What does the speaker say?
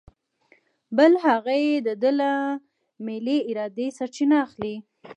بل هغه یې د ده له ملې ارادې سرچینه اخلي.